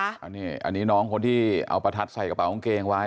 อันนี้น้องคนที่เอาประทัดใส่กระเป๋ากางเกงไว้